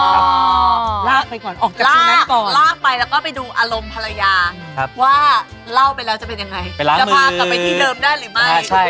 หรือไม่